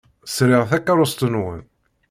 Sriɣ takeṛṛust-nwen.